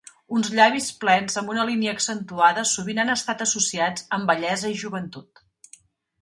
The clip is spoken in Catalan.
Uns llavis plens amb una línia accentuada sovint han estat associats amb bellesa i joventut.